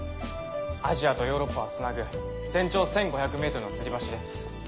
アジアとヨーロッパをつなぐ全長１，５００ｍの吊り橋です。